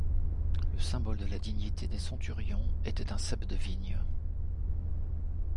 Le symbole de la dignité des centurions était un cep de vigne.